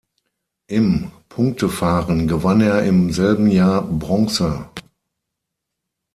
Im Punktefahren gewann er im selben Jahr Bronze.